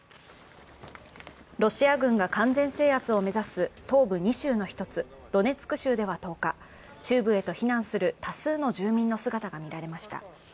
ロシア軍が完全制圧を目指す東部２州の一つ、ドネツク州では１０日、中部へと避難する多数の住民の姿が見られました。